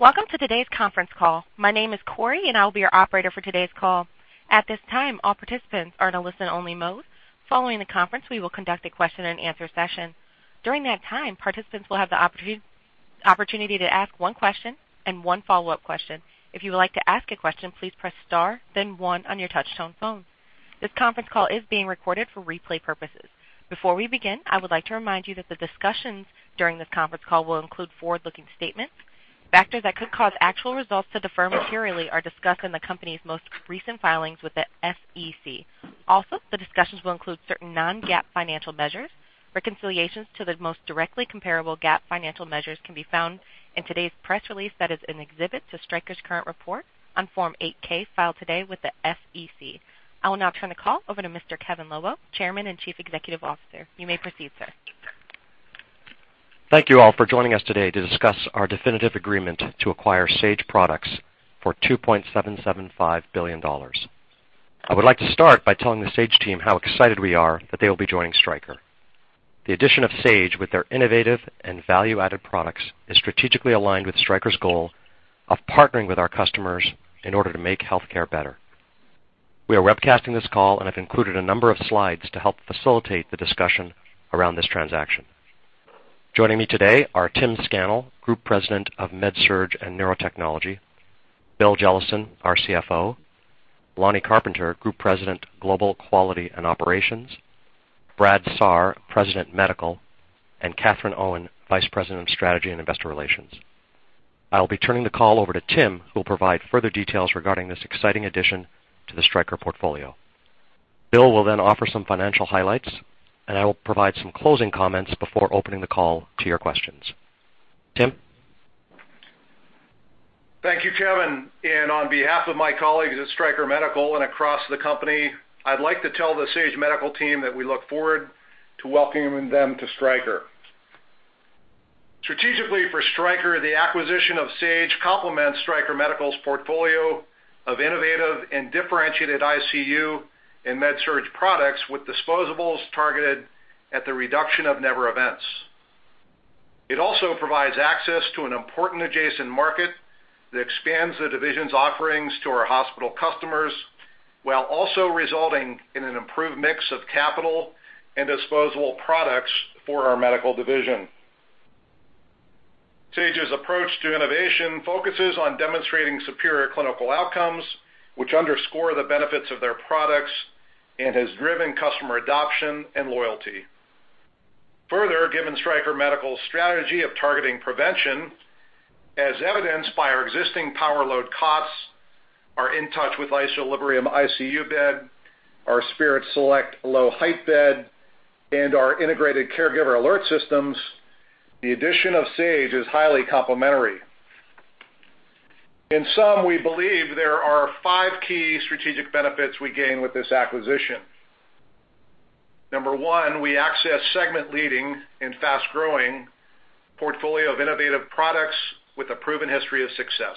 Welcome to today's conference call. My name is Corey, and I'll be your operator for today's call. At this time, all participants are in a listen-only mode. Following the conference, we will conduct a question and answer session. During that time, participants will have the opportunity to ask one question and one follow-up question. If you would like to ask a question, please press star then one on your touch-tone phone. This conference call is being recorded for replay purposes. Before we begin, I would like to remind you that the discussions during this conference call will include forward-looking statements. Factors that could cause actual results to differ materially are discussed in the company's most recent filings with the SEC. Also, the discussions will include certain non-GAAP financial measures. Reconciliations to the most directly comparable GAAP financial measures can be found in today's press release that is in exhibit to Stryker's current report on Form 8-K filed today with the SEC. I will now turn the call over to Mr. Kevin Lobo, Chairman and Chief Executive Officer. You may proceed, sir. Thank you all for joining us today to discuss our definitive agreement to acquire Sage Products for $2.775 billion. I would like to start by telling the Sage team how excited we are that they will be joining Stryker. The addition of Sage with their innovative and value-added products is strategically aligned with Stryker's goal of partnering with our customers in order to make healthcare better. We are webcasting this call and have included a number of slides to help facilitate the discussion around this transaction. Joining me today are Tim Scannell, Group President of Med-Surg and Neurotechnology, Bill Jellison, our CFO, Lonny Carpenter, Group President, Global Quality and Operations, Brad Saar, President, Medical, and Katherine Owen, Vice President of Strategy and Investor Relations. I will be turning the call over to Tim, who will provide further details regarding this exciting addition to the Stryker portfolio. Bill will then offer some financial highlights, and I will provide some closing comments before opening the call to your questions. Tim? Thank you, Kevin, and on behalf of my colleagues at Stryker Medical and across the company, I'd like to tell the Sage Medical team that we look forward to welcoming them to Stryker. Strategically for Stryker, the acquisition of Sage complements Stryker Medical's portfolio of innovative and differentiated ICU and Med-Surg products, with disposables targeted at the reduction of never events. It also provides access to an important adjacent market that expands the division's offerings to our hospital customers, while also resulting in an improved mix of capital and disposable products for our medical division. Sage's approach to innovation focuses on demonstrating superior clinical outcomes, which underscore the benefits of their products and has driven customer adoption and loyalty. Further, given Stryker Medical's strategy of targeting prevention, as evidenced by our existing Power-LOAD cots, our InTouch with Isolibrium ICU bed, our Spirit Select low-height bed, and our integrated caregiver alert systems, the addition of Sage is highly complementary. In sum, we believe there are five key strategic benefits we gain with this acquisition. Number one, we access segment-leading and fast-growing portfolio of innovative products with a proven history of success.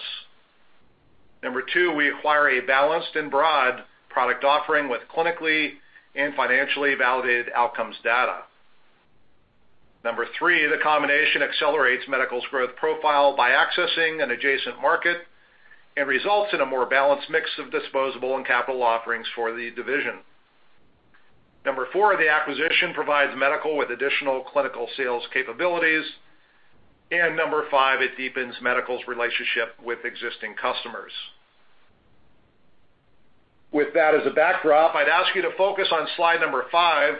Number two, we acquire a balanced and broad product offering with clinically and financially validated outcomes data. Number three, the combination accelerates Medical's growth profile by accessing an adjacent market and results in a more balanced mix of disposable and capital offerings for the division. Number four, the acquisition provides Medical with additional clinical sales capabilities. Number five, it deepens Medical's relationship with existing customers. With that as a backdrop, I'd ask you to focus on slide number five,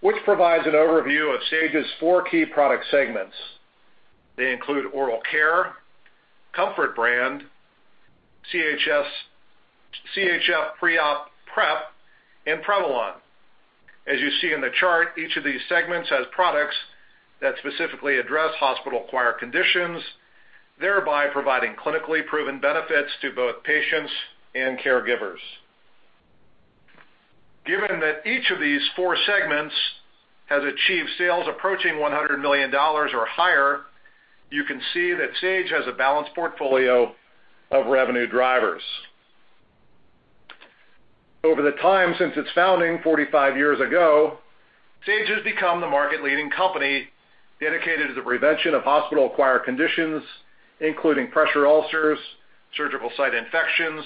which provides an overview of Sage's four key product segments. They include Oral Care, Comfort Bath, CHG PreOp Prep, and Prevalon. As you see in the chart, each of these segments has products that specifically address hospital-acquired conditions, thereby providing clinically proven benefits to both patients and caregivers. Given that each of these four segments has achieved sales approaching $100 million or higher, you can see that Sage has a balanced portfolio of revenue drivers. Over the time since its founding 45 years ago, Sage has become the market-leading company dedicated to the prevention of hospital-acquired conditions, including pressure ulcers, surgical site infections,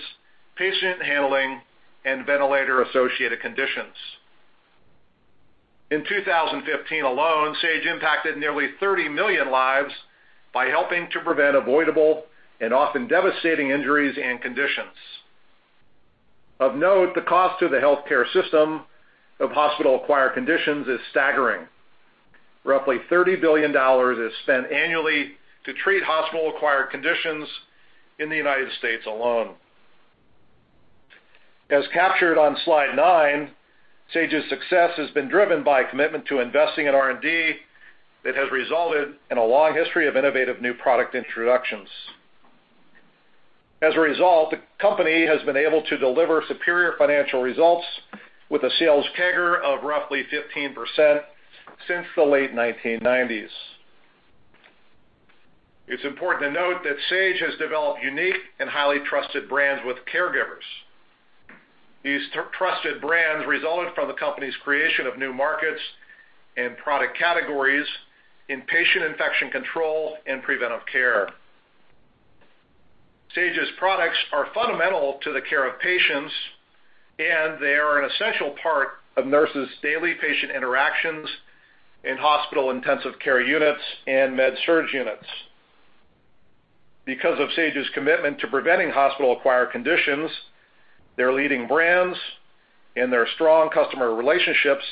patient handling, and ventilator-associated conditions. In 2015 alone, Sage impacted nearly 30 million lives by helping to prevent avoidable and often devastating injuries and conditions. Of note, the cost to the healthcare system of hospital-acquired conditions is staggering. Roughly $30 billion is spent annually to treat hospital-acquired conditions in the U.S. alone. As captured on slide nine, Sage's success has been driven by a commitment to investing in R&D that has resulted in a long history of innovative new product introductions. As a result, the company has been able to deliver superior financial results with a sales CAGR of roughly 15% since the late 1990s. It's important to note that Sage has developed unique and highly trusted brands with caregivers. These trusted brands resulted from the company's creation of new markets and product categories in patient infection control and preventive care. Sage's products are fundamental to the care of patients, and they are an essential part of nurses' daily patient interactions in hospital intensive care units and Med-Surg units. Because of Sage's commitment to preventing hospital-acquired conditions, their leading brands, and their strong customer relationships,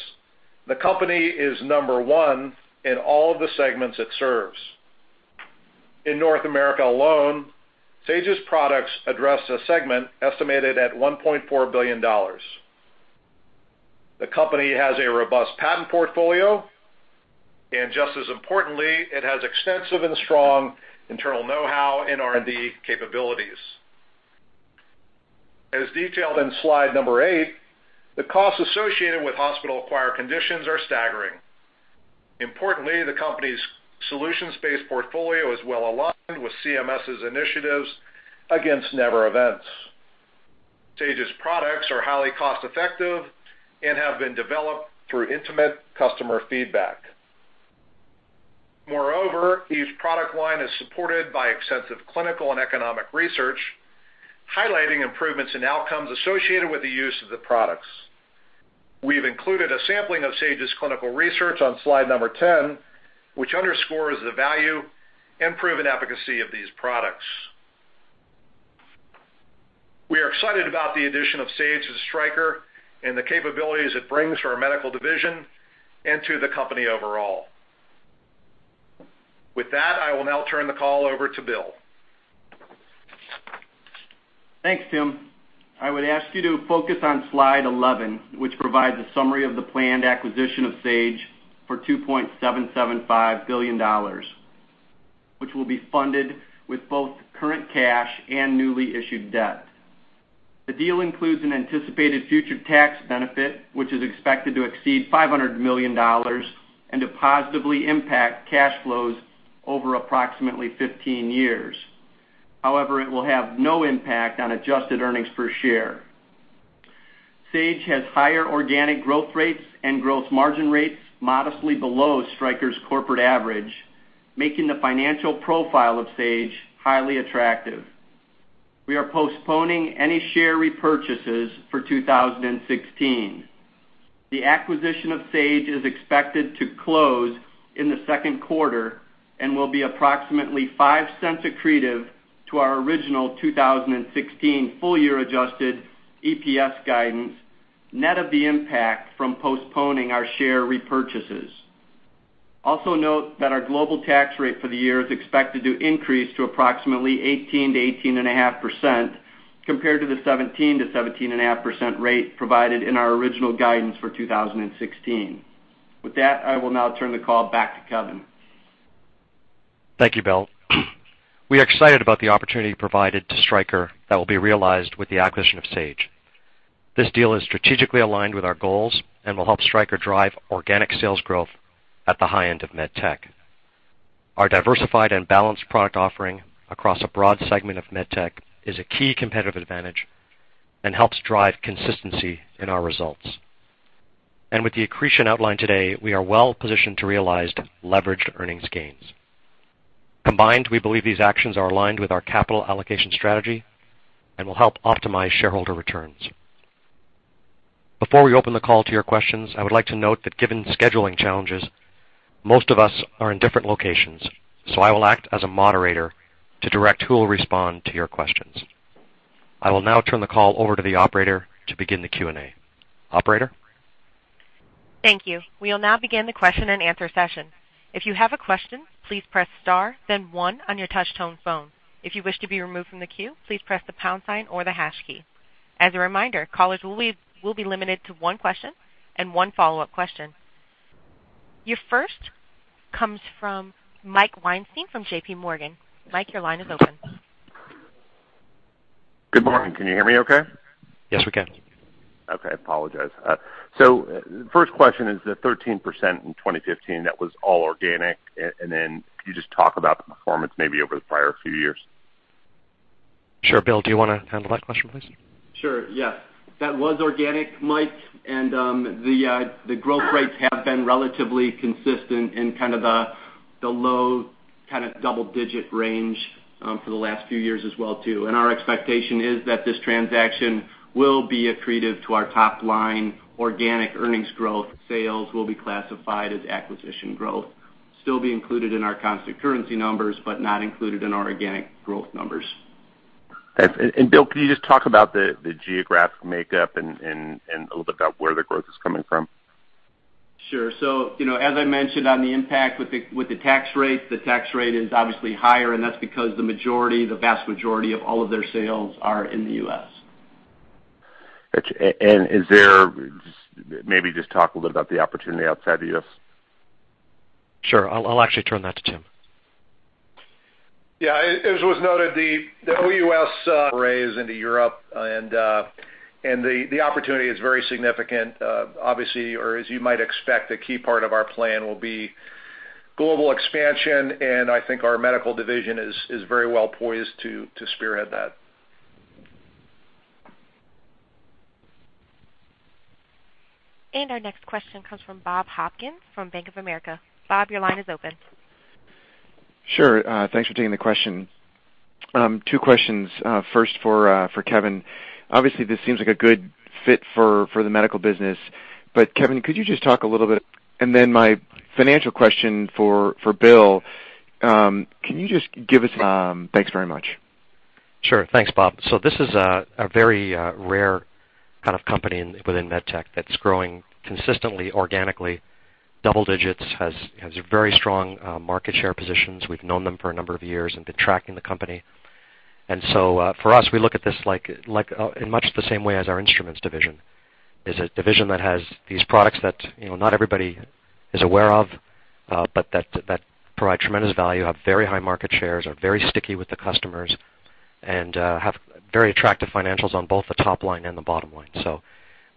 the company is number one in all of the segments it serves. In North America alone, Sage's products address a segment estimated at $1.4 billion. The company has a robust patent portfolio, and just as importantly, it has extensive and strong internal know-how and R&D capabilities. As detailed in slide number eight, the costs associated with hospital-acquired conditions are staggering. Importantly, the company's solutions-based portfolio is well-aligned with CMS's initiatives against never events. Sage's products are highly cost-effective and have been developed through intimate customer feedback. Moreover, each product line is supported by extensive clinical and economic research, highlighting improvements in outcomes associated with the use of the products. We've included a sampling of Sage's clinical research on slide number 10, which underscores the value and proven efficacy of these products. We are excited about the addition of Sage to Stryker and the capabilities it brings to our medical division and to the company overall. With that, I will now turn the call over to Bill. Thanks, Tim. I would ask you to focus on slide 11, which provides a summary of the planned acquisition of Sage for $2.775 billion, which will be funded with both current cash and newly issued debt. The deal includes an anticipated future tax benefit, which is expected to exceed $500 million and to positively impact cash flows over approximately 15 years. However, it will have no impact on adjusted earnings per share. Sage has higher organic growth rates and gross margin rates modestly below Stryker's corporate average, making the financial profile of Sage highly attractive. We are postponing any share repurchases for 2016. The acquisition of Sage is expected to close in the second quarter and will be approximately $0.05 accretive to our original 2016 full-year adjusted EPS guidance, net of the impact from postponing our share repurchases. Note that our global tax rate for the year is expected to increase to approximately 18%-18.5%, compared to the 17%-17.5% rate provided in our original guidance for 2016. With that, I will now turn the call back to Kevin. Thank you, Bill. We are excited about the opportunity provided to Stryker that will be realized with the acquisition of Sage. This deal is strategically aligned with our goals and will help Stryker drive organic sales growth at the high end of med tech. Our diversified and balanced product offering across a broad segment of med tech is a key competitive advantage and helps drive consistency in our results. With the accretion outlined today, we are well-positioned to realize leveraged earnings gains. Combined, we believe these actions are aligned with our capital allocation strategy and will help optimize shareholder returns. Before we open the call to your questions, I would like to note that given scheduling challenges, most of us are in different locations, so I will act as a moderator to direct who will respond to your questions. I will now turn the call over to the operator to begin the Q&A. Operator? Thank you. We will now begin the question and answer session. If you have a question, please press star then one on your touch-tone phone. If you wish to be removed from the queue, please press the pound sign or the hash key. As a reminder, callers will be limited to one question and one follow-up question. Your first comes from Michael Weinstein from J.P. Morgan. Mike, your line is open. Good morning. Can you hear me okay? Yes, we can. Apologize. The first question is the 13% in 2015, that was all organic, then can you just talk about the performance maybe over the prior few years? Sure. Bill, do you want to handle that question, please? Sure, yeah. That was organic, Mike, the growth rates have been relatively consistent in kind of the low double-digit range for the last few years as well, too. Our expectation is that this transaction will be accretive to our top line organic earnings growth. Sales will be classified as acquisition growth, still be included in our constant currency numbers, but not included in our organic growth numbers. Could you just talk about the geographic makeup and a little bit about where the growth is coming from? Sure. As I mentioned on the impact with the tax rate, the tax rate is obviously higher, and that's because the vast majority of all of their sales are in the U.S. Got you. Maybe just talk a little bit about the opportunity outside the U.S. Sure. I'll actually turn that to Tim. Yeah. As was noted, the OUS array is into Europe, and the opportunity is very significant. Obviously, or as you might expect, a key part of our plan will be Global expansion. I think our medical division is very well poised to spearhead that. Our next question comes from Robert Hopkins from Bank of America. Bob, your line is open. Sure. Thanks for taking the question. Two questions. First, for Kevin. Obviously, this seems like a good fit for the medical business. Kevin, could you just talk a little bit? My financial question for Bill. Thanks very much. Sure. Thanks, Bob. This is a very rare kind of company within med tech that's growing consistently, organically, double digits, has very strong market share positions. We've known them for a number of years and been tracking the company. For us, we look at this in much the same way as our instruments division. It is a division that has these products that not everybody is aware of, but that provide tremendous value, have very high market shares, are very sticky with the customers, and have very attractive financials on both the top line and the bottom line.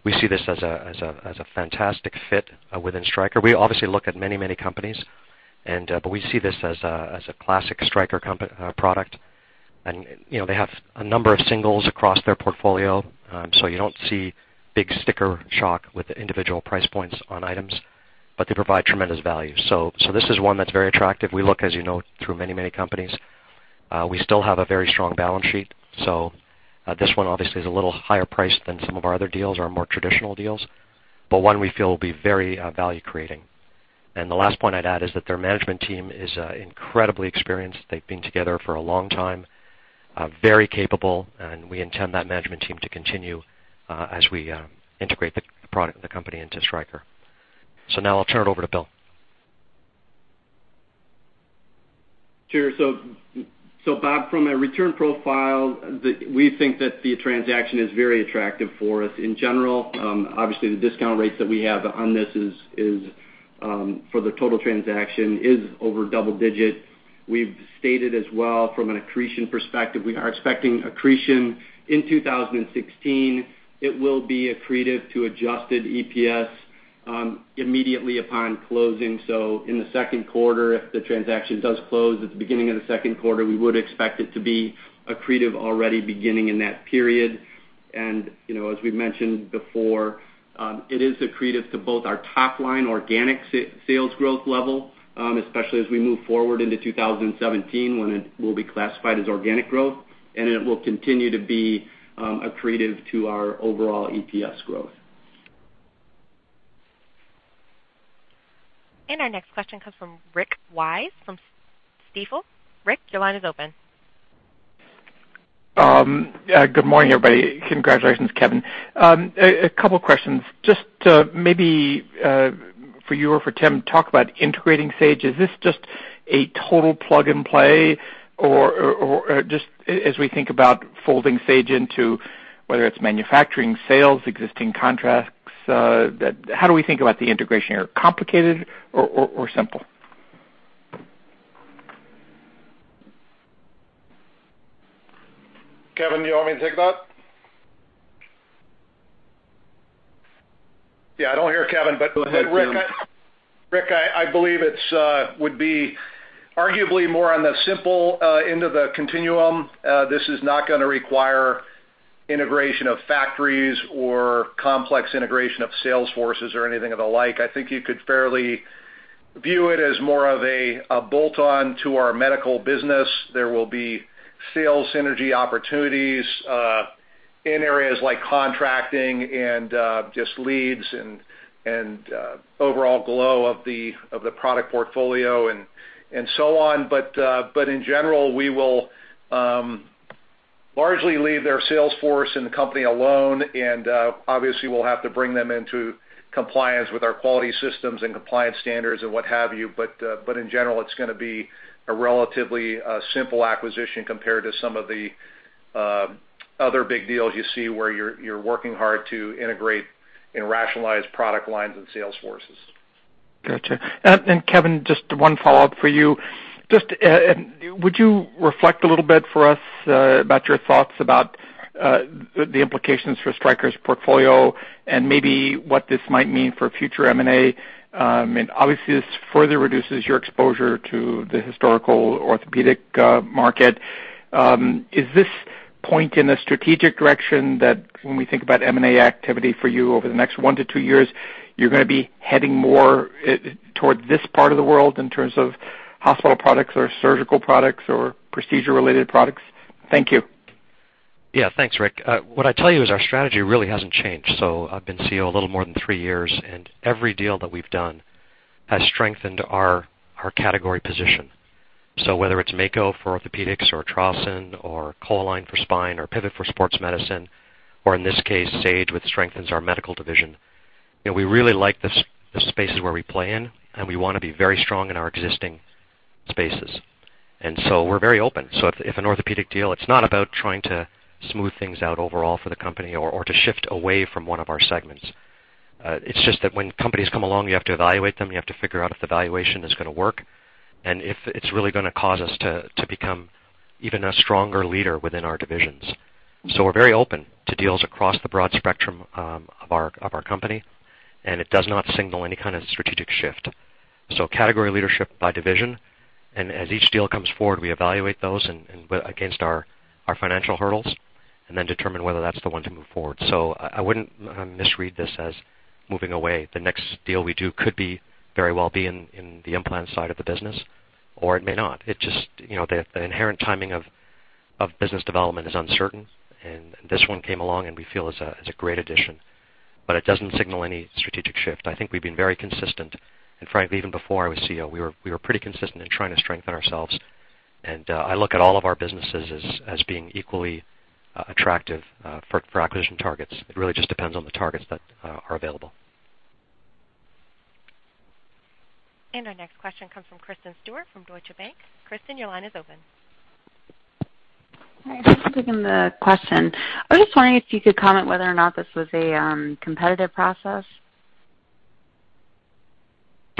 We see this as a fantastic fit within Stryker. We obviously look at many, many companies, but we see this as a classic Stryker product. They have a number of singles across their portfolio. You don't see big sticker shock with the individual price points on items, but they provide tremendous value. This is one that's very attractive. We look, as you know, through many, many companies. We still have a very strong balance sheet. This one obviously is a little higher priced than some of our other deals, our more traditional deals, but one we feel will be very value-creating. The last point I'd add is that their management team is incredibly experienced. They've been together for a long time, very capable, and we intend that management team to continue as we integrate the company into Stryker. Now I'll turn it over to Bill. Sure. Bob, from a return profile, we think that the transaction is very attractive for us in general. Obviously, the discount rates that we have on this for the total transaction is over double digit. We've stated as well from an accretion perspective, we are expecting accretion in 2016. It will be accretive to adjusted EPS immediately upon closing. In the second quarter, if the transaction does close at the beginning of the second quarter, we would expect it to be accretive already beginning in that period. As we mentioned before, it is accretive to both our top-line organic sales growth level, especially as we move forward into 2017, when it will be classified as organic growth, and it will continue to be accretive to our overall EPS growth. Our next question comes from Rick Wise, from Stifel. Rick, your line is open. Good morning, everybody. Congratulations, Kevin. A couple questions. Just maybe for you or for Tim, talk about integrating Sage. Is this just a total plug and play, or just as we think about folding Sage into whether it's manufacturing, sales, existing contracts, how do we think about the integration here? Complicated or simple? Kevin, do you want me to take that? Yeah, I don't hear Kevin. Go ahead, Tim. Rick, I believe it would be arguably more on the simple end of the continuum. This is not going to require integration of factories or complex integration of sales forces or anything of the like. I think you could fairly view it as more of a bolt-on to our medical business. There will be sales synergy opportunities in areas like contracting and just leads and overall flow of the product portfolio and so on. In general, we will largely leave their sales force and the company alone, and obviously, we'll have to bring them into compliance with our quality systems and compliance standards and what have you. In general, it's going to be a relatively simple acquisition compared to some of the other big deals you see where you're working hard to integrate and rationalize product lines and sales forces. Got you. Kevin, just one follow-up for you. Just would you reflect a little bit for us about your thoughts about the implications for Stryker's portfolio and maybe what this might mean for future M&A? Obviously, this further reduces your exposure to the historical orthopedic market. Is this point in a strategic direction that when we think about M&A activity for you over the next one to two years, you're going to be heading more toward this part of the world in terms of hospital products or surgical products or procedure-related products? Thank you. Yeah. Thanks, Rick. What I'd tell you is our strategy really hasn't changed. I've been CEO a little more than three years, Every deal that we've done has strengthened our category position. Whether it's Mako for orthopedics or Trauson or CoLine for spine or Pivot for sports medicine, or in this case, Sage, which strengthens our medical division, we really like the spaces where we play in, and we want to be very strong in our existing spaces. We're very open. If an orthopedic deal, it's not about trying to smooth things out overall for the company or to shift away from one of our segments. It's just that when companies come along, you have to evaluate them, you have to figure out if the valuation is going to work If it's really going to cause us to become even a stronger leader within our divisions. We're very open to deals across the broad spectrum of our company, It does not signal any kind of strategic shift. Category leadership by division, as each deal comes forward, we evaluate those against our financial hurdles Then determine whether that's the one to move forward. I wouldn't misread this as moving away. The next deal we do could very well be in the implant side of the business, or it may not. The inherent timing of business development is uncertain, This one came along, We feel is a great addition, It doesn't signal any strategic shift. I think we've been very consistent, frankly, even before I was CEO, we were pretty consistent in trying to strengthen ourselves. I look at all of our businesses as being equally attractive for acquisition targets. It really just depends on the targets that are available. Our next question comes from Kristen Stewart from Deutsche Bank. Kristen, your line is open. Hi. Thanks for taking the question. I was just wondering if you could comment whether or not this was a competitive process.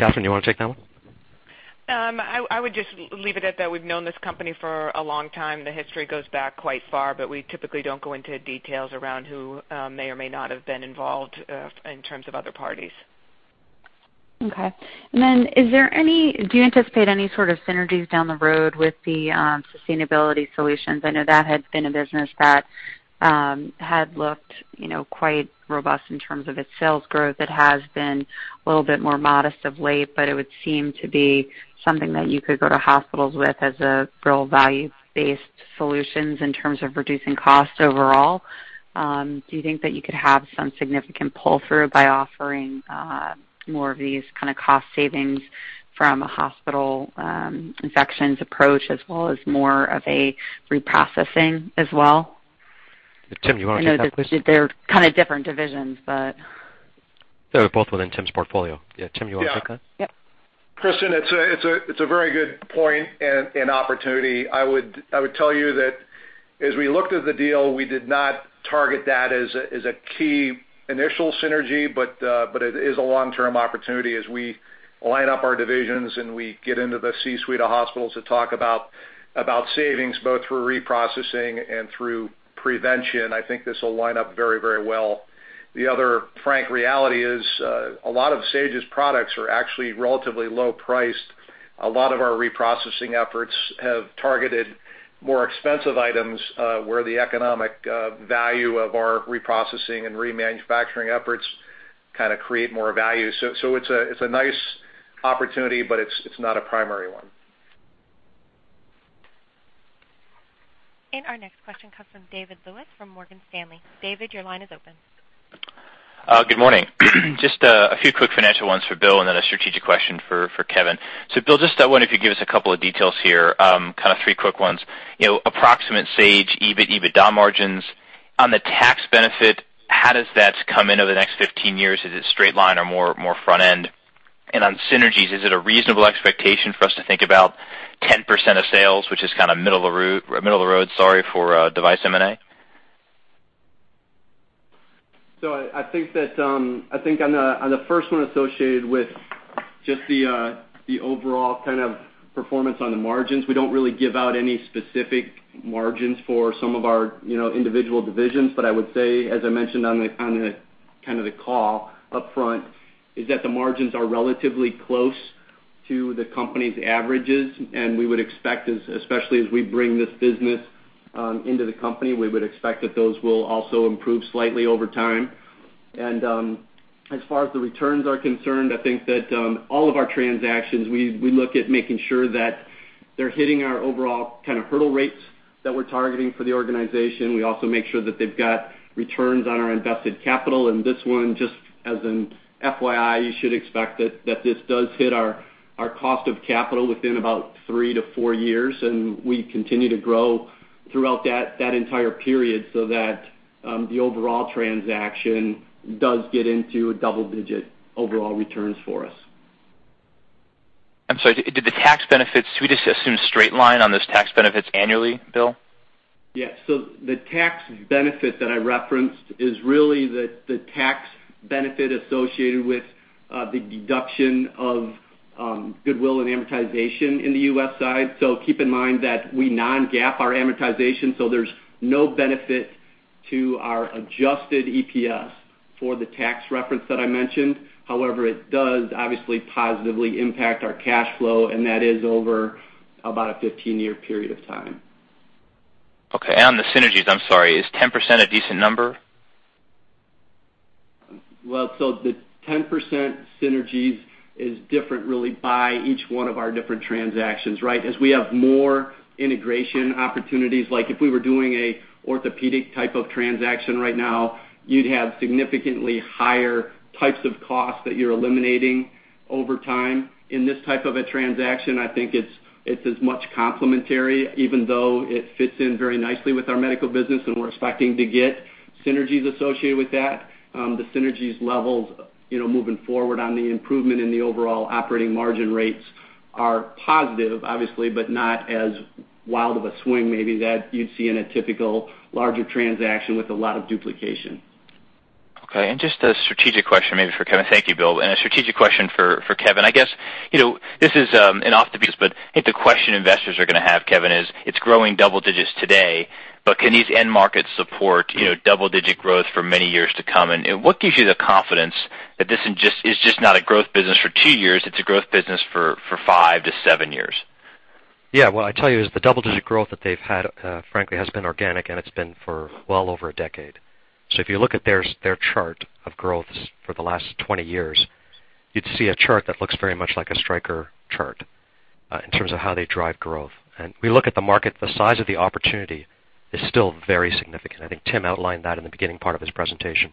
Katherine, you want to take that one? I would just leave it at that. We've known this company for a long time. The history goes back quite far, but we typically don't go into details around who may or may not have been involved in terms of other parties. Okay. Then, do you anticipate any sort of synergies down the road with the Sustainability Solutions? I know that had been a business that had looked quite robust in terms of its sales growth. It has been a little bit more modest of late, but it would seem to be something that you could go to hospitals with as a real value-based solutions in terms of reducing costs overall. Do you think that you could have some significant pull-through by offering more of these kind of cost savings from a hospital infections approach as well as more of a reprocessing as well? Tim, you want to take that question? I know that they're kind of different divisions. They're both within Tim's portfolio. Yeah, Tim, you want to take that? Yeah. Kristen, it's a very good point and opportunity. I would tell you that as we looked at the deal, we did not target that as a key initial synergy, but it is a long-term opportunity as we line up our divisions and we get into the C-suite of hospitals to talk about savings both through reprocessing and through prevention. I think this will line up very well. The other frank reality is a lot of Sage's products are actually relatively low priced. A lot of our reprocessing efforts have targeted more expensive items where the economic value of our reprocessing and remanufacturing efforts create more value. It's a nice opportunity, but it's not a primary one. Our next question comes from David Lewis from Morgan Stanley. David, your line is open. Good morning. Just a few quick financial ones for Bill and then a strategic question for Kevin. Bill, just wondering if you could give us a couple of details here, three quick ones. Approximate Sage EBIT, EBITDA margins. On the tax benefit, how does that come in over the next 15 years? Is it straight line or more front-end? On synergies, is it a reasonable expectation for us to think about 10% of sales, which is middle of the road, sorry, for device M&A? I think on the first one associated with just the overall performance on the margins, we don't really give out any specific margins for some of our individual divisions. I would say, as I mentioned on the call upfront, is that the margins are relatively close to the company's averages, and we would expect, especially as we bring this business into the company, we would expect that those will also improve slightly over time. As far as the returns are concerned, I think that all of our transactions, we look at making sure that they're hitting our overall hurdle rates that we're targeting for the organization. We also make sure that they've got returns on our invested capital. This one, just as an FYI, you should expect that this does hit our cost of capital within about three to four years, and we continue to grow throughout that entire period so that the overall transaction does get into double-digit overall returns for us. I'm sorry, do the tax benefits, should we just assume straight line on those tax benefits annually, Bill? Yeah. The tax benefit that I referenced is really the tax benefit associated with the deduction of goodwill and amortization in the U.S. side. Keep in mind that we non-GAAP our amortization, there's no benefit to our adjusted EPS for the tax reference that I mentioned. However, it does obviously positively impact our cash flow, and that is over about a 15-year period of time. Okay. On the synergies, I'm sorry, is 10% a decent number? The 10% synergies is different really by each one of our different transactions, right? As we have more integration opportunities, like if we were doing an orthopedic type of transaction right now, you'd have significantly higher types of costs that you're eliminating over time. In this type of a transaction, I think it's as much complementary, even though it fits in very nicely with our Medical business and we're expecting to get synergies associated with that. The synergies levels moving forward on the improvement in the overall operating margin rates are positive, obviously, but not as wild of a swing maybe that you'd see in a typical larger transaction with a lot of duplication. Just a strategic question maybe for Kevin. Thank you, Bill. A strategic question for Kevin. I guess, this is an offbeat, but I think the question investors are going to have, Kevin, is it's growing double digits today, but can these end markets support double-digit growth for many years to come? What gives you the confidence that this is just not a growth business for 2 years, it's a growth business for 5-7 years? What I tell you is the double-digit growth that they've had, frankly, has been organic, and it's been for well over a decade. If you look at their chart of growth for the last 20 years, you'd see a chart that looks very much like a Stryker chart in terms of how they drive growth. We look at the market, the size of the opportunity is still very significant. I think Tim outlined that in the beginning part of his presentation.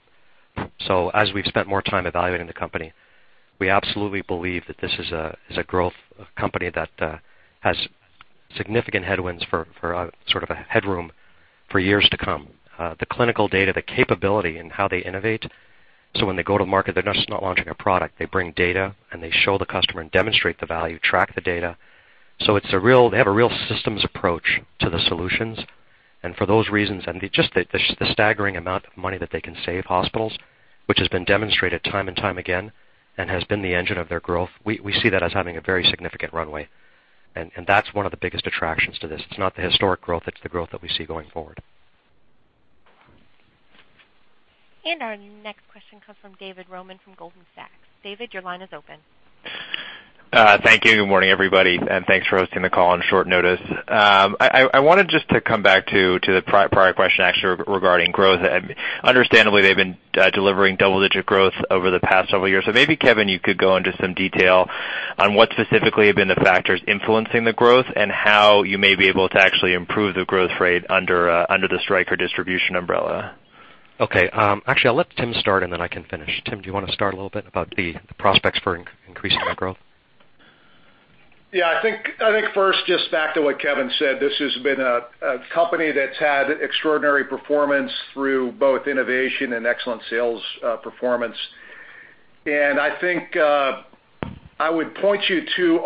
As we've spent more time evaluating the company, we absolutely believe that this is a growth company that has significant headwinds for a headroom for years to come. The clinical data, the capability in how they innovate, when they go to market, they're not just launching a product, they bring data and they show the customer and demonstrate the value, track the data. They have a real systems approach to the solutions. For those reasons, and just the staggering amount of money that they can save hospitals, which has been demonstrated time and time again and has been the engine of their growth, we see that as having a very significant runway. That's one of the biggest attractions to this. It's not the historic growth, it's the growth that we see going forward. Our next question comes from David Roman from Goldman Sachs. David, your line is open. Thank you. Good morning, everybody, and thanks for hosting the call on short notice. I wanted just to come back to the prior question, actually, regarding growth. Understandably, they've been delivering double-digit growth over the past several years. Maybe, Kevin, you could go into some detail on what specifically have been the factors influencing the growth and how you may be able to actually improve the growth rate under the Stryker distribution umbrella. Okay. Actually, I'll let Tim start and then I can finish. Tim, do you want to start a little bit about the prospects for increasing that growth? Yeah, I think first, just back to what Kevin said, this has been a company that's had extraordinary performance through both innovation and excellent sales performance. I think I would point you to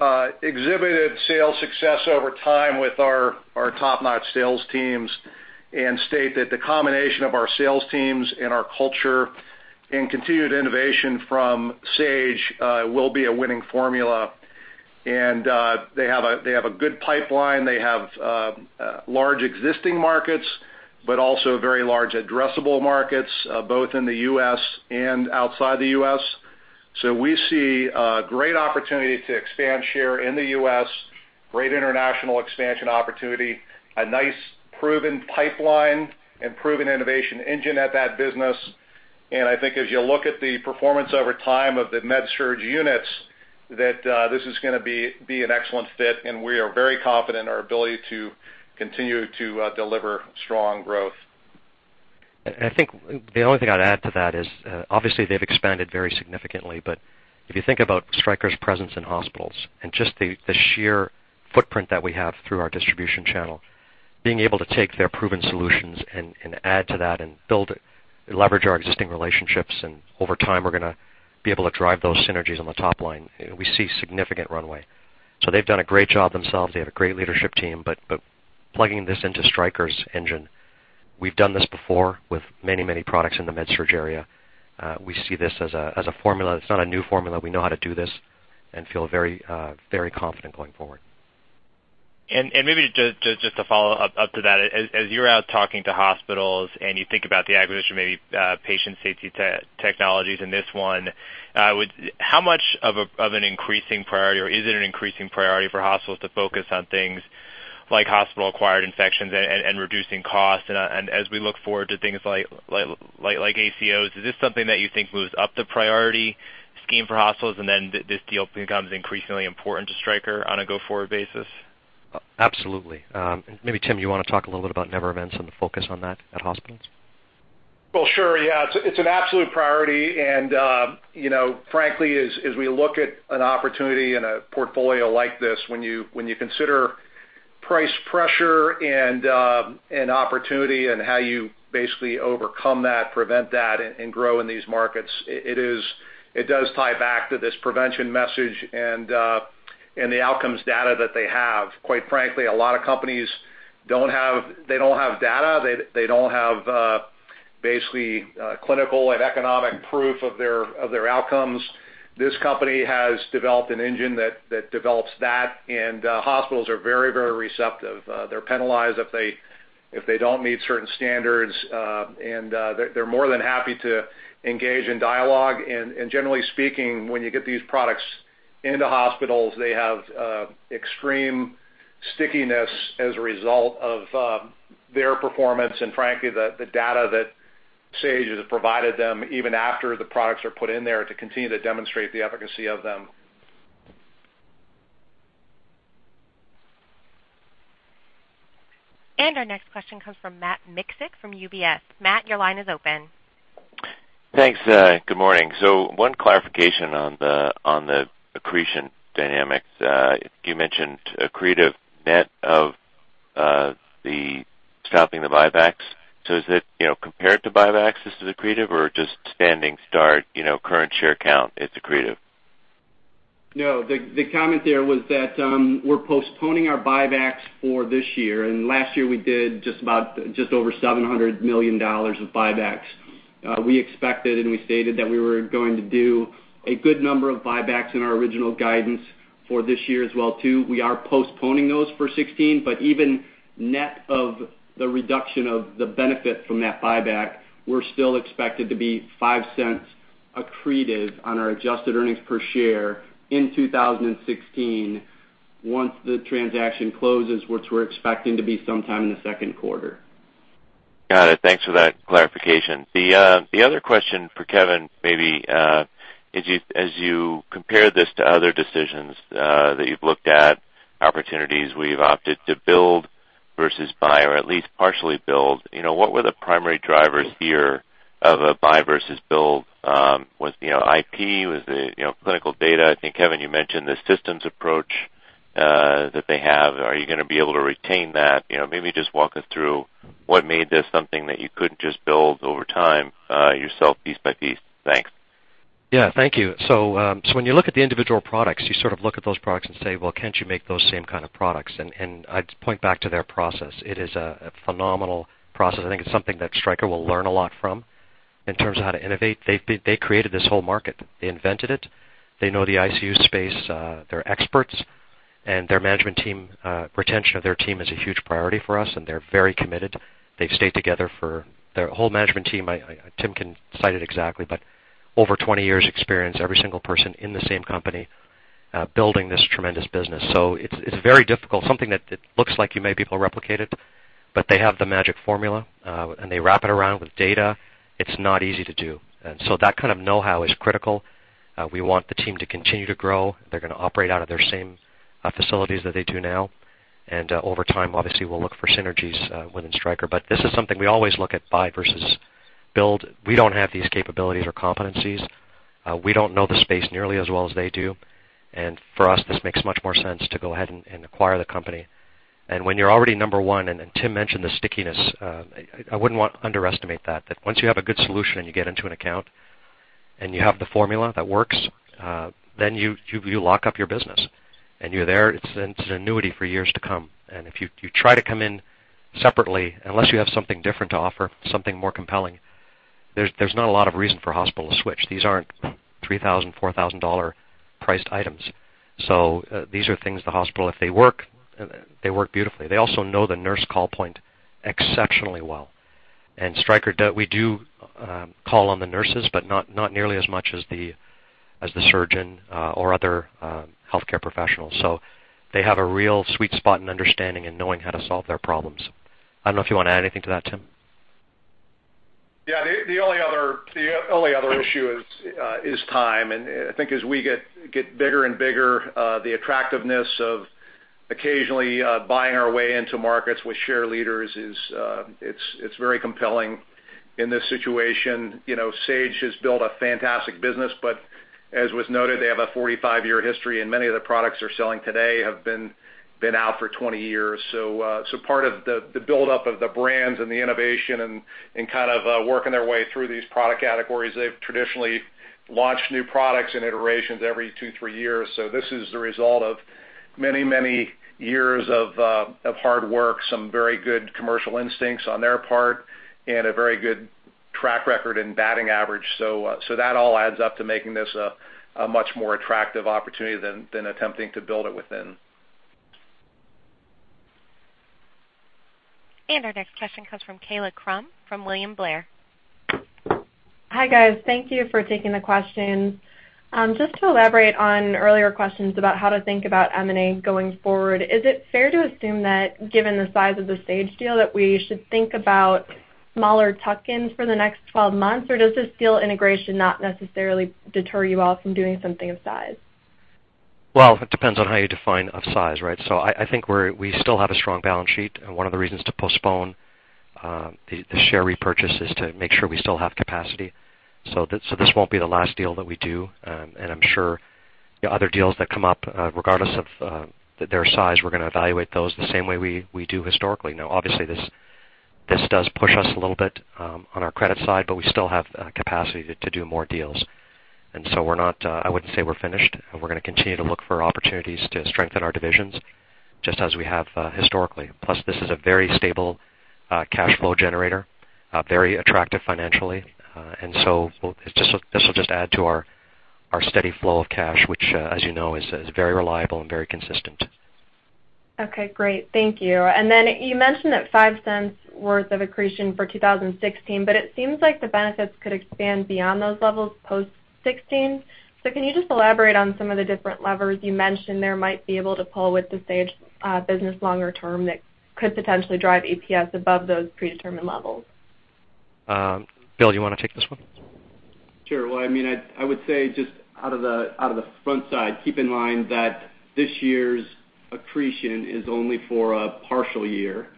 our exhibited sales success over time with our top-notch sales teams and state that the combination of our sales teams and our culture and continued innovation from Sage will be a winning formula. They have a good pipeline. They have large existing markets, but also very large addressable markets, both in the U.S. and outside the U.S. We see a great opportunity to expand share in the U.S., great international expansion opportunity, a nice proven pipeline and proven innovation engine at that business. I think as you look at the performance over time of the Med-Surg units, that this is going to be an excellent fit, and we are very confident in our ability to continue to deliver strong growth. I think the only thing I'd add to that is, obviously, they've expanded very significantly. If you think about Stryker's presence in hospitals and just the sheer footprint that we have through our distribution channel, being able to take their proven solutions and add to that and leverage our existing relationships, and over time, we're going to be able to drive those synergies on the top line. We see significant runway. They've done a great job themselves. They have a great leadership team, plugging this into Stryker's engine, we've done this before with many, many products in the Med-Surg area. We see this as a formula. It's not a new formula. We know how to do this and feel very confident going forward. Maybe just to follow up to that, as you're out talking to hospitals and you think about the acquisition, maybe patient safety technologies in this one, how much of an increasing priority, or is it an increasing priority for hospitals to focus on things like hospital-acquired conditions and reducing costs? As we look forward to things like ACOs, is this something that you think moves up the priority scheme for hospitals, and then this deal becomes increasingly important to Stryker on a go-forward basis? Absolutely. Maybe, Tim, you want to talk a little bit about never events and the focus on that at hospitals? Well, sure, yeah. It's an absolute priority, and frankly, as we look at an opportunity and a portfolio like this, when you consider price pressure and opportunity and how you basically overcome that, prevent that, and grow in these markets, it does tie back to this prevention message and the outcomes data that they have. Quite frankly, a lot of companies, they don't have data. They don't have basically clinical and economic proof of their outcomes. This company has developed an engine that develops that, and hospitals are very, very receptive. They're penalized if they don't meet certain standards, and they're more than happy to engage in dialogue. Generally speaking, when you get these products into hospitals, they have extreme stickiness as a result of their performance and frankly, the data that Sage has provided them, even after the products are put in there to continue to demonstrate the efficacy of them. Our next question comes from Matthew Miksic from UBS. Matt, your line is open. Thanks. Good morning. One clarification on the accretion dynamics. You mentioned accretive net of the stopping the buybacks. Is it compared to buybacks, this is accretive, or just standing start, current share count, it's accretive? No, the comment there was that we're postponing our buybacks for this year. Last year we did just over $700 million of buybacks. We expected and we stated that we were going to do a good number of buybacks in our original guidance for this year as well too. We are postponing those for 2016, but even net of the reduction of the benefit from that buyback, we're still expected to be $0.05 accretive on our adjusted earnings per share in 2016 once the transaction closes, which we're expecting to be sometime in the second quarter. Got it. Thanks for that clarification. The other question for Kevin, maybe, as you compare this to other decisions that you've looked at, opportunities where you've opted to build versus buy or at least partially build, what were the primary drivers here of a buy versus build? Was it IP? Was it clinical data? I think, Kevin, you mentioned the systems approach that they have. Are you going to be able to retain that? Maybe just walk us through what made this something that you couldn't just build over time yourself piece by piece. Thanks. Thank you. When you look at the individual products, you sort of look at those products and say, "Well, can't you make those same kind of products?" I'd point back to their process. It is a phenomenal process. I think it's something that Stryker will learn a lot from in terms of how to innovate. They created this whole market. They invented it. They know the ICU space, they're experts, and retention of their team is a huge priority for us, and they're very committed. They've stayed together for, their whole management team, Tim can cite it exactly, but over 20 years experience, every single person in the same company, building this tremendous business. It's very difficult. Something that looks like you may be able to replicate it, but they have the magic formula, and they wrap it around with data. It's not easy to do. That kind of know-how is critical. We want the team to continue to grow. They're going to operate out of their same facilities that they do now. Over time, obviously, we'll look for synergies within Stryker. This is something we always look at, buy versus build. We don't have these capabilities or competencies. We don't know the space nearly as well as they do. For us, this makes much more sense to go ahead and acquire the company. When you're already number one, and Tim mentioned the stickiness, I wouldn't want to underestimate that. That once you have a good solution and you get into an account, and you have the formula that works, then you lock up your business and you're there. It's an annuity for years to come. If you try to come in separately, unless you have something different to offer, something more compelling, there's not a lot of reason for a hospital to switch. These aren't $3,000, $4,000 priced items. These are things the hospital, if they work, they work beautifully. They also know the nurse call point exceptionally well. Stryker, we do call on the nurses, but not nearly as much as the surgeon or other healthcare professionals. They have a real sweet spot in understanding and knowing how to solve their problems. I don't know if you want to add anything to that, Tim. Yeah, the only other issue is time. I think as we get bigger and bigger, the attractiveness of occasionally buying our way into markets with share leaders is very compelling. In this situation, Sage has built a fantastic business, but as was noted, they have a 45-year history and many of the products they're selling today have been out for 20 years. Part of the buildup of the brands and the innovation and kind of working their way through these product categories, they've traditionally launched new products and iterations every two, three years. This is the result of many, many years of hard work, some very good commercial instincts on their part, and a very good track record and batting average. That all adds up to making this a much more attractive opportunity than attempting to build it within. Our next question comes from Kaila Krum from William Blair. Hi, guys. Thank you for taking the questions. Just to elaborate on earlier questions about how to think about M&A going forward, is it fair to assume that given the size of the Sage deal, that we should think about smaller tuck-ins for the next 12 months? Or does this deal integration not necessarily deter you all from doing something of size? It depends on how you define of size, right? I think we still have a strong balance sheet. One of the reasons to postpone the share repurchase is to make sure we still have capacity. This won't be the last deal that we do. I am sure other deals that come up, regardless of their size, we are going to evaluate those the same way we do historically. Now, obviously, this does push us a little bit on our credit side, but we still have capacity to do more deals. I would not say we are finished. We are going to continue to look for opportunities to strengthen our divisions, just as we have historically. Plus, this is a very stable cash flow generator, very attractive financially. This will just add to our steady flow of cash, which, as you know, is very reliable and very consistent. Okay, great. Thank you. You mentioned that $0.05 worth of accretion for 2016, but it seems like the benefits could expand beyond those levels post 2016. Can you just elaborate on some of the different levers you mentioned there might be able to pull with the Sage business longer term that could potentially drive EPS above those predetermined levels? Bill, you want to take this one? Sure. Well, I would say just out of the front side, keep in mind that this year's accretion is only for a partial year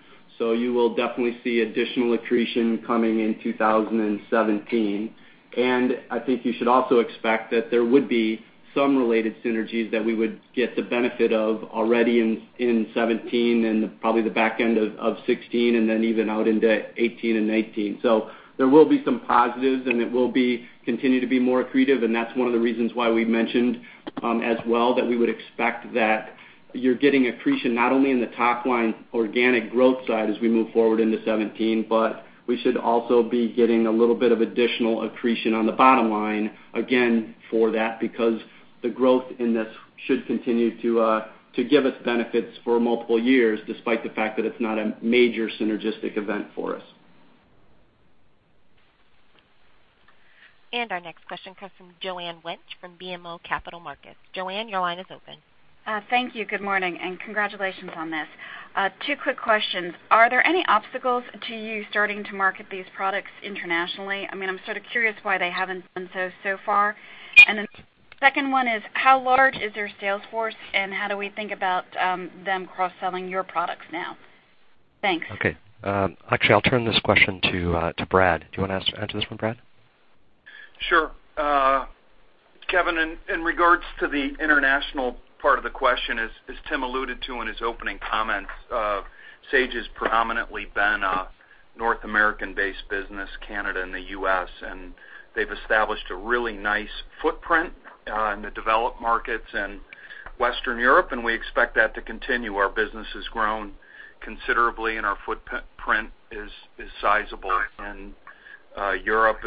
You will definitely see additional accretion coming in 2017. I think you should also expect that there would be some related synergies that we would get the benefit of already in 2017 and probably the back end of 2016, then even out into 2018 and 2019. There will be some positives, and it will continue to be more accretive, and that's one of the reasons why we mentioned as well that we would expect that you're getting accretion not only in the top-line organic growth side as we move forward into 2017, but we should also be getting a little bit of additional accretion on the bottom line, again, for that, because the growth in this should continue to give us benefits for multiple years, despite the fact that it's not a major synergistic event for us. Our next question comes from Joanne Wuensch from BMO Capital Markets. Joanne, your line is open. Thank you. Good morning, and congratulations on this. Two quick questions. Are there any obstacles to you starting to market these products internationally? I'm sort of curious why they haven't done so far. The second one is, how large is their sales force, and how do we think about them cross-selling your products now? Thanks. Okay. Actually, I'll turn this question to Brad. Do you want to answer this one, Brad? Sure. Kevin, in regards to the international part of the question, as Tim alluded to in his opening comments, Sage has predominantly been a North American-based business, Canada and the U.S., They've established a really nice footprint in the developed markets in Western Europe, and we expect that to continue. Our business has grown considerably. Our footprint is sizable in Europe,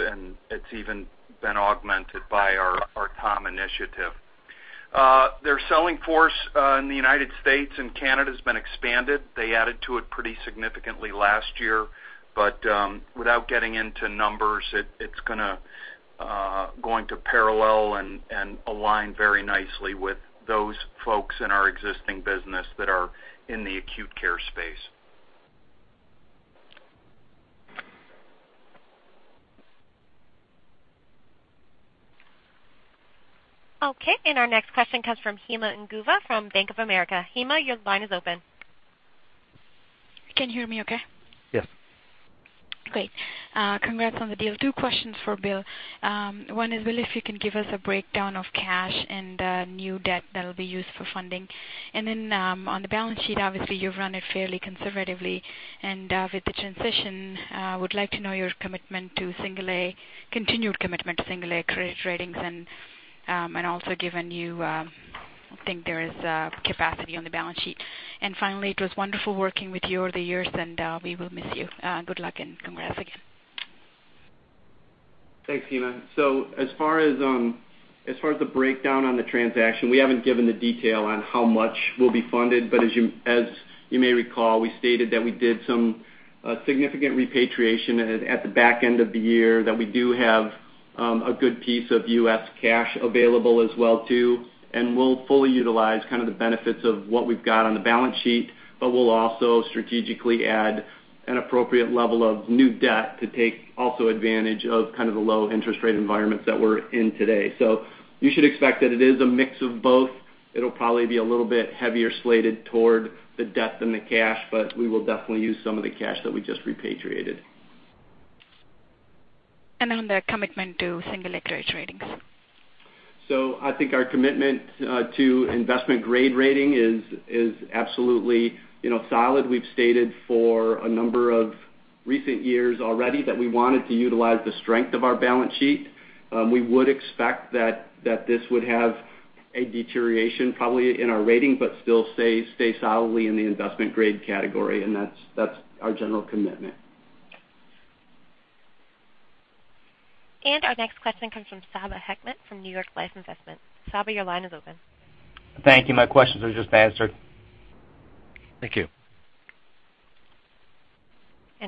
It's even been augmented by our COM initiative. Their selling force in the United States and Canada has been expanded. They added to it pretty significantly last year, Without getting into numbers, it's going to parallel and align very nicely with those folks in our existing business that are in the acute care space. Okay. Our next question comes from Hema Ngubha from Bank of America. Hema, your line is open. Can you hear me okay? Yes. Great. Congrats on the deal. Two questions for Bill. One is, Bill, if you can give us a breakdown of cash and new debt that'll be used for funding. Then on the balance sheet, obviously, you've run it fairly conservatively, and with the transition, I would like to know your continued commitment to single A credit ratings and also given you think there is capacity on the balance sheet. Finally, it was wonderful working with you over the years, and we will miss you. Good luck and congrats again. Thanks, Hema. As far as the breakdown on the transaction, we haven't given the detail on how much will be funded. As you may recall, we stated that we did some significant repatriation at the back end of the year, that we do have a good piece of U.S. cash available as well too, and we'll fully utilize the benefits of what we've got on the balance sheet, but we'll also strategically add an appropriate level of new debt to take also advantage of the low interest rate environments that we're in today. You should expect that it is a mix of both. It'll probably be a little bit heavier slated toward the debt than the cash, but we will definitely use some of the cash that we just repatriated. On the commitment to single A credit ratings. I think our commitment to investment grade rating is absolutely solid. We've stated for a number of recent years already that we wanted to utilize the strength of our balance sheet. We would expect that this would have a deterioration probably in our rating, but still stay solidly in the investment grade category, and that's our general commitment. Our next question comes from Saba Hekmat from New York Life Investments. Saba, your line is open. Thank you. My questions are just answered. Thank you.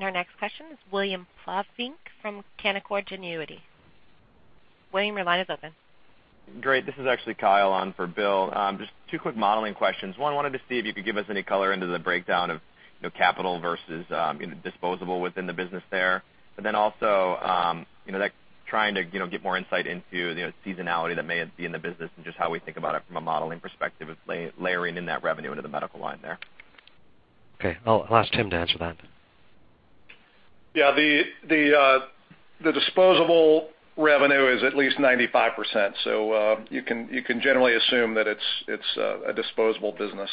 Our next question is William Plovanic from Canaccord Genuity. William, your line is open. Great. This is actually Kyle on for Bill. Just two quick modeling questions. One, I wanted to see if you could give us any color into the breakdown of capital versus disposable within the business there. Also, trying to get more insight into the seasonality that may be in the business and just how we think about it from a modeling perspective, layering in that revenue into the medical line there. Okay. I'll ask Tim to answer that. The disposable revenue is at least 95%. You can generally assume that it's a disposable business.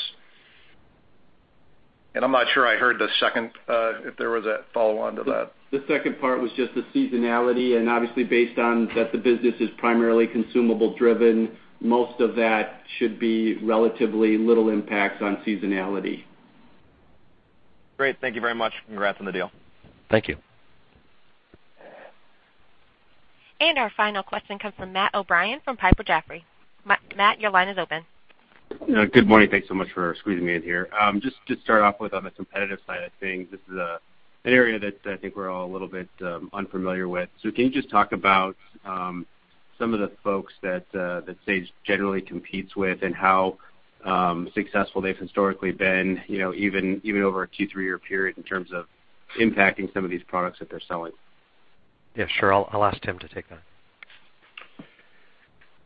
I'm not sure I heard the second, if there was a follow-on to that. The second part was just the seasonality, obviously, based on that the business is primarily consumable driven, most of that should be relatively little impacts on seasonality. Great. Thank you very much. Congrats on the deal. Thank you. Our final question comes from Matt O'Brien from Piper Jaffray. Matt, your line is open. Good morning. Thanks so much for squeezing me in here. Just to start off with on the competitive side of things, this is an area that I think we're all a little bit unfamiliar with. Can you just talk about some of the folks that Sage generally competes with and how successful they've historically been, even over a two, three-year period in terms of impacting some of these products that they're selling? Sure. I'll ask Tim to take that.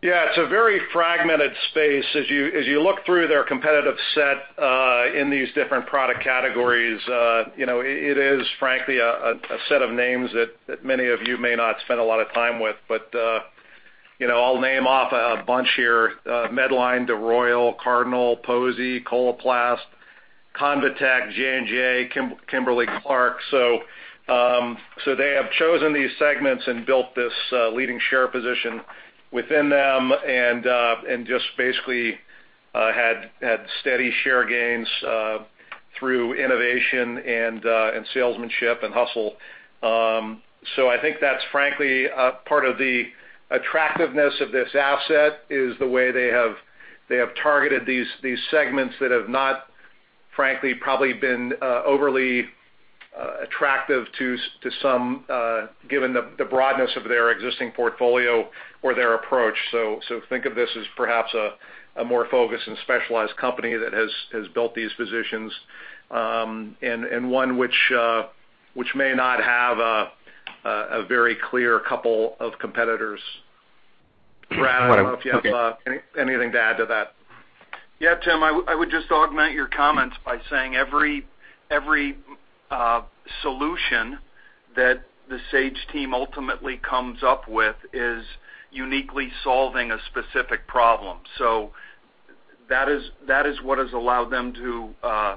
It's a very fragmented space. As you look through their competitive set in these different product categories, it is frankly a set of names that many of you may not spend a lot of time with. I'll name off a bunch here. Medline, DeRoyal, Cardinal, Posey, Coloplast, ConvaTec, J&J, Kimberly-Clark. They have chosen these segments and built this leading share position within them, and just basically had steady share gains through innovation and salesmanship and hustle. I think that's frankly, a part of the attractiveness of this asset is the way they have targeted these segments that have not frankly, probably been overly attractive to some, given the broadness of their existing portfolio or their approach. Think of this as perhaps a more focused and specialized company that has built these positions, and one which may not have a very clear couple of competitors. Brad, I don't know if you have anything to add to that. Tim, I would just augment your comments by saying every solution that the Sage team ultimately comes up with is uniquely solving a specific problem. That is what has allowed them to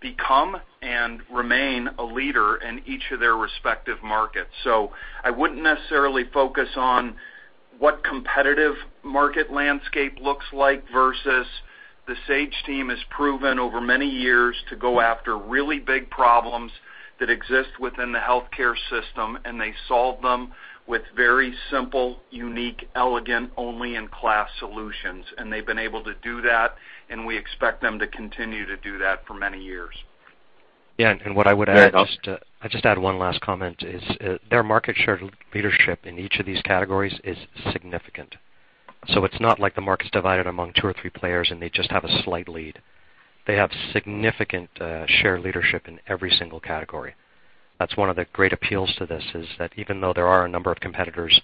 become and remain a leader in each of their respective markets. I wouldn't necessarily focus on what competitive market landscape looks like versus the Sage team has proven over many years to go after really big problems that exist within the healthcare system, and they solve them with very simple, unique, elegant, only-in-class solutions, and they've been able to do that, and we expect them to continue to do that for many years. Yeah. What I would add, I'll just add one last comment, is their market share leadership in each of these categories is significant. It's not like the market's divided among two or three players and they just have a slight lead. They have significant share leadership in every single category. That's one of the great appeals to this, is that even though there are a number of competitors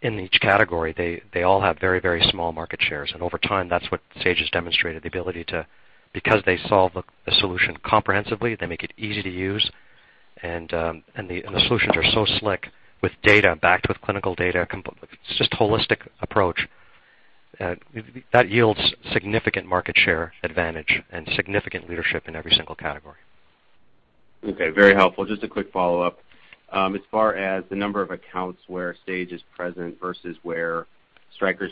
in each category, they all have very small market shares. Over time, that's what Sage has demonstrated the ability to, because they solve a solution comprehensively, they make it easy to use, and the solutions are so slick with data, backed with clinical data, it's just holistic approach that yields significant market share advantage and significant leadership in every single category. Okay. Very helpful. Just a quick follow-up. As far as the number of accounts where Sage is present versus where Stryker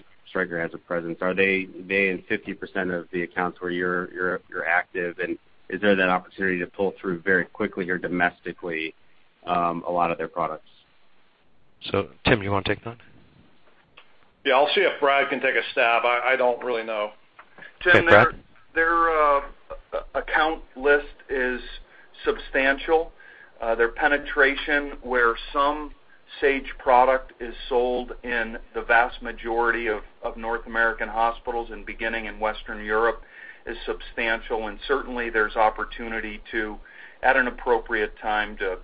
has a presence, are they in 50% of the accounts where you're active, and is there that opportunity to pull through very quickly or domestically, a lot of their products? Tim, you want to take that? Yeah, I'll see if Brad can take a stab. I don't really know. Okay, Brad. Tim, their account list is substantial. Their penetration where some Sage Products is sold in the vast majority of North American hospitals and beginning in Western Europe is substantial. Certainly, there's opportunity to, at an appropriate time, to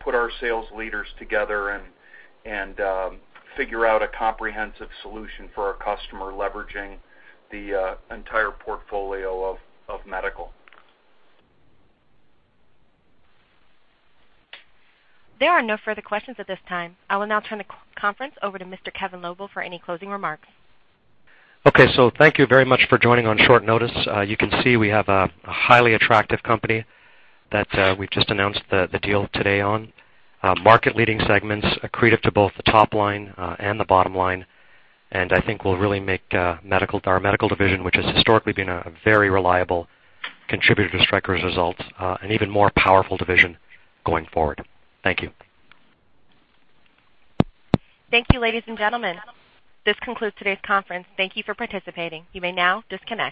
put our sales leaders together and figure out a comprehensive solution for our customer, leveraging the entire portfolio of Medical. There are no further questions at this time. I will now turn the conference over to Mr. Kevin Lobo for any closing remarks. Okay. Thank you very much for joining on short notice. You can see we have a highly attractive company that we've just announced the deal today on. Market-leading segments, accretive to both the top line and the bottom line, and I think will really make our Medical division, which has historically been a very reliable contributor to Stryker's results, an even more powerful division going forward. Thank you. Thank you, ladies and gentlemen. This concludes today's conference. Thank you for participating. You may now disconnect.